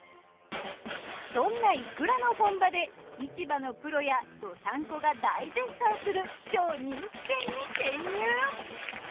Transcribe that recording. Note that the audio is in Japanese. そんないくらの本場で市場のプロや道産子が大絶賛する超人気店に潜入！